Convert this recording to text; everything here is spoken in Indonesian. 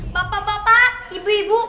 bapak bapak ibu ibu